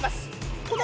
この。